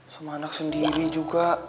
sama anak sendiri juga